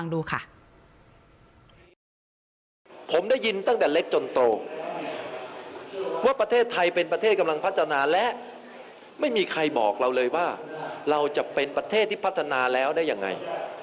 นะมีใครบอกเราเลยว่าเราจะเป็นประเทศที่พัฒนาแล้วได้ยังไง